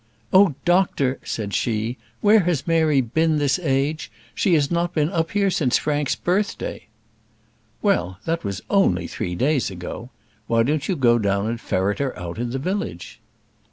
"Oh, doctor," said she, "where has Mary been this age? She has not been up here since Frank's birthday." "Well, that was only three days ago. Why don't you go down and ferret her out in the village?"